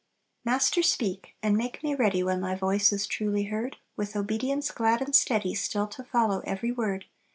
"Master, speak! and make me ready, When Thy voice is truly heard, With obedience glad and steady, Still to follow every word.